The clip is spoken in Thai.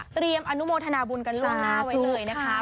เตรียมอนุโมทนาบุญกันลงหน้าไว้เลยนะคะ